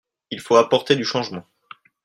Il faut apporter du changement.